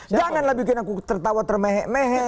janganlah bikin aku tertawa termehek mehek